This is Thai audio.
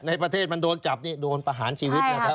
ในประเทศมันโดนจับนี่โดนประหารชีวิตนะครับ